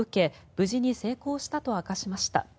無事に成功したと明かしました。